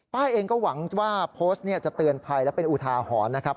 เองก็หวังว่าโพสต์นี้จะเตือนภัยและเป็นอุทาหรณ์นะครับ